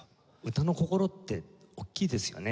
歌の心って大きいですよね。